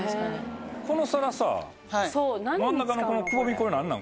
この皿さ真ん中のくぼみこれ何なん？